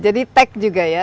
jadi tech juga ya